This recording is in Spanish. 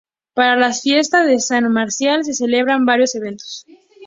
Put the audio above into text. Para las fiestas de San Marcial se celebran varios eventos.